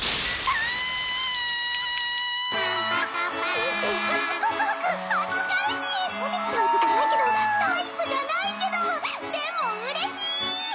タイプじゃないけどタイプじゃないけどでも嬉しい！